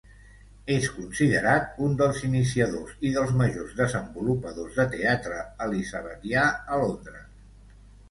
És considerat un dels iniciadors i dels majors desenvolupadors de teatre elisabetià a Londres.